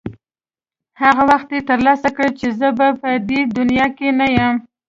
هغه وخت یې ترلاسه کړې چې زه به په دې دنیا کې نه یم.